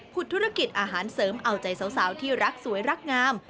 ธุรกิจอาหารเสริมเอาใจสาวที่รักสวยรักงาม